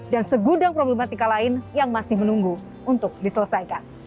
dan segudang problematika lain yang masih menunggu untuk diselesaikan